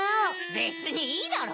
べつにいいだろ？